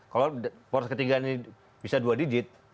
kalau poros ketiganya bisa dua digit